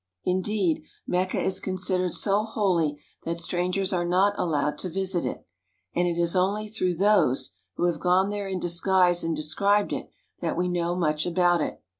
Indeed, Mecca is considered so holy that strangers are not allowed to visit it, and it is only through those, who have gone there in disguise and described it, that we know much about it.